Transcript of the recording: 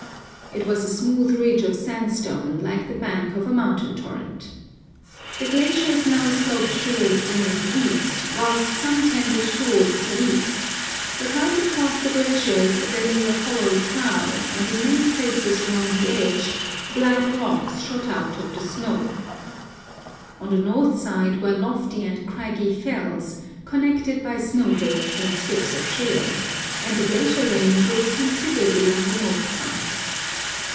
It was a smooth ridge of sandstone, like the bank of a mountain torrent. The glaciers now sloped towards the north east, whilst some tended towards the east ;' but right across the glaciers there lay a hollow trough, and in many places along the edge black rocks shot out of the snow. On the north side were lofty and craggy fells, connected by snowdrifts and strips of shale ; and the glacier range rose considerably on the north side.